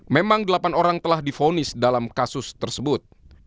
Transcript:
memang delapan orang telah difonis dalam kasus tersebut